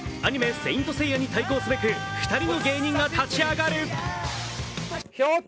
「聖闘士星矢」に対抗すべく２人の芸人が立ち上がる。